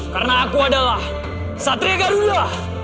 karena aku adalah satria garuda